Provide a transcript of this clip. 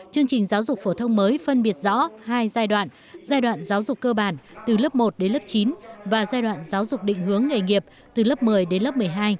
chương trình giáo dục phổ thông mới phân biệt rõ hai giai đoạn giai đoạn giáo dục cơ bản từ lớp một đến lớp chín và giai đoạn giáo dục định hướng nghề nghiệp từ lớp một mươi đến lớp một mươi hai